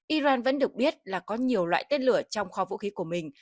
iran vẫn được biết là có nhiều loại tên lửa trong kho vũ khí của mình